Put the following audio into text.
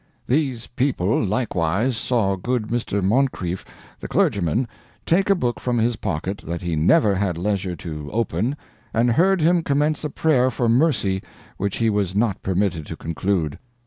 These people likewise saw good Mr. Moncrieff, the clergyman, take a book from his pocket that he never had leisure to open, and heard him commence a prayer for mercy which he was not permitted to conclude.